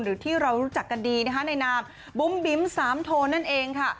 หรือที่เรารู้จักกันดีนะคะในนามบุ๋มบิ๊มสามโทนนั่นเองค่ะ